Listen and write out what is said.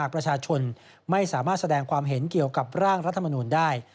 ประชาชนไม่สามารถแสดงความเห็นเกี่ยวกับร่างรัฐมนูลได้